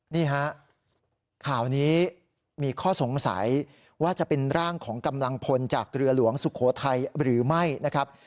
นี่ฮะข่าวนี้มีข้อสงสัยว่าจะเป็นร่างของกำลังพลจากเรือหลวงสุโขทัยหรือไม่นะครับ